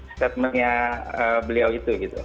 statementnya beliau itu gitu